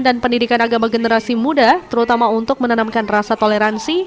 dan pendidikan agama generasi muda terutama untuk menanamkan rasa toleransi